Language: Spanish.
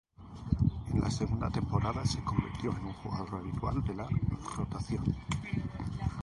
En la segunda temporada se convirtió en un jugador habitual de la rotación.